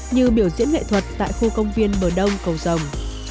như biểu diễn nghệ thuật tại khu công viên bờ đông cầu rồng